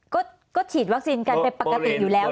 กดฉีดวัคซีนกันไปปกติอยู่แล้วถูกไหมคะ